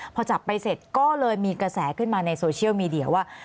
พอจับไปเสร็จก็เลยมีกระแสขึ้นมาในโซเชียลมีเดียว่า